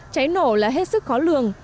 cháy nổ là hết sức khó lường